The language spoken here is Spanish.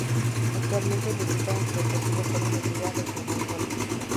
Actualmente milita en Deportivo Colón de la Liga Regional Colón.